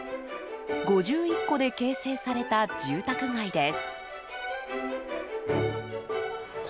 ５１戸で形成された住宅街です。